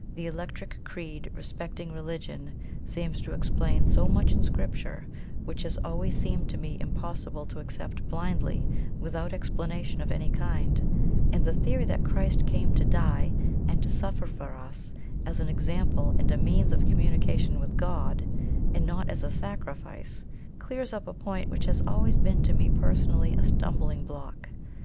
... The Electric Creed respecting Religion seems to explain so much in Scripture which has always seemed to me impossible to accept blindly without explanation of any kind; and the theory that Christ came to die and to suffer for us as an Example and a means of communication with God, and not as a SACRIFICE, clears up a point which has always been to me personally a stumbling block.